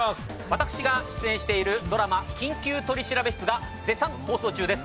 私が出演しているドラマ『緊急取調室』が絶賛放送中です。